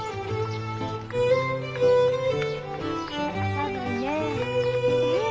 寒いねえ。